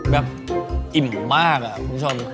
แบบอิ่มมากอ่ะคุณชน